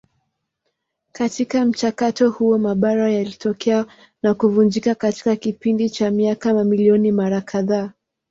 Katika mchakato huo mabara yalitokea na kuvunjika katika kipindi cha miaka mamilioni mara kadhaa.